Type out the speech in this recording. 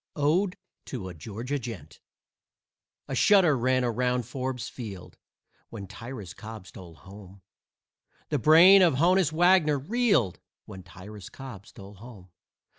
ODE TO A GEORGIA GENT A shudder ran around Forbes Field When Tyrus Cobb stole home. The brain of Honus Wagner reeled When Tyrus Cobb stole home.